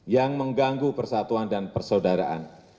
yang mengganggu persatuan dan persaudaraan